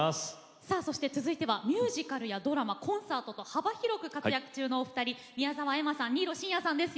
続いてはミュージカルやドラマコンサートと幅広く活躍中のお二人、宮澤エマさんそして新納慎也さんです。